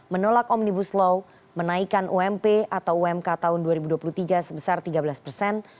menolak omnibus law menaikkan ump atau umk tahun dua ribu dua puluh tiga sebesar tiga belas persen